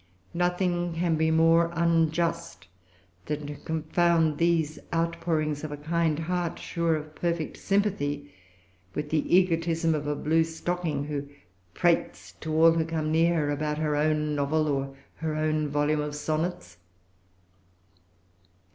Nothing can be more unjust than to confound these outpourings of a kind heart, sure[Pg 353] of perfect sympathy, with the egotism of a blue stocking, who prates to all who come near her about her own novel or her own volume of sonnets.